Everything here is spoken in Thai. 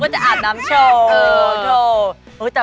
ชื่อว่าจะแม่ชื่อว่าจะอาบน้ำโชว์